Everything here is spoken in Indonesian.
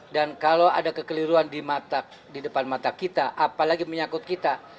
dan kalau ada kekeliruan di mata di depan mata kita apalagi yang menyangkut kita